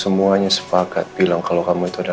semuanya sepakat bilang kalau kamu itu ada